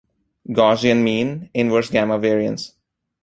Gaussian mean, inverse-gamma variance.